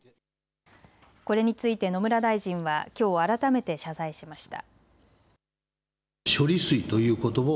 これについて野村大臣はきょう改めて謝罪しました。